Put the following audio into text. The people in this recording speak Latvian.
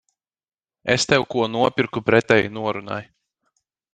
Es tev ko nopirku pretēji norunai.